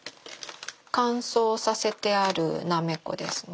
乾燥させてあるなめこですね